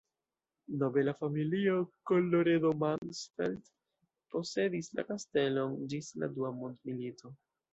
Nobela familio Colloredo-Mansfeld posedis la kastelon ĝis la dua mondmilito.